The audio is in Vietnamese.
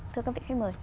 thưa các vị khách mời